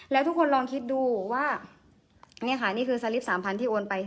แล้วทุกคนลองคิดดูว่านี่ค่ะนี่คือสลิป๓๐๐ที่โอนไป